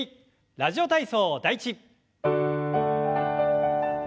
「ラジオ体操第１」。